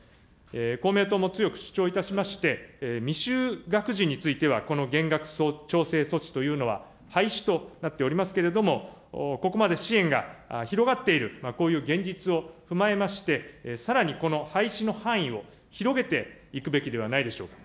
公明党も強く主張いたしまして、未就学児については、この減額調整措置というのは、廃止となっておりますけれども、ここまで支援が広がっている、こういう現実を踏まえまして、さらにこの廃止の範囲を広げていくべきではないでしょうか。